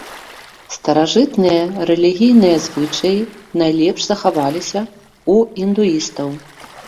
Старажытныя рэлігійныя звычаі найлепш захаваліся ў індуістаў.